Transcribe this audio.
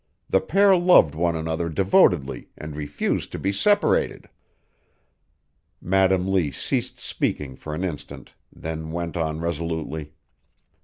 The pair loved one another devotedly and refused to be separated." Madam Lee ceased speaking for an instant; then went on resolutely.